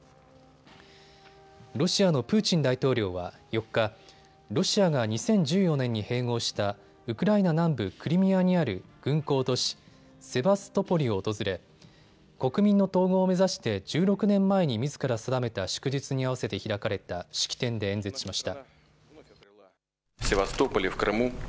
ロシアのプーチン大統領は４日、ロシアが２０１４年に併合したウクライナ南部クリミアにある軍港都市セバストポリを訪れ国民の統合を目指して１６年前にみずから定めた祝日に合わせて開かれた式典で演説しました。